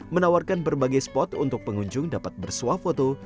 menawarkan berbagai spot untuk pengunjung dapat bersuah foto